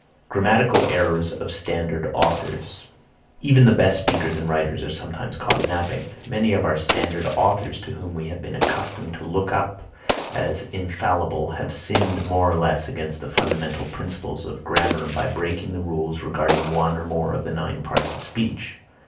GRAMMATICAL ERRORS OF STANDARD AUTHORS Even the best speakers and writers are sometimes caught napping. Many of our standard authors to whom we have been accustomed to look up as infallible have sinned more or less against the fundamental principles of grammar by breaking the rules regarding one or more of the nine parts of speech.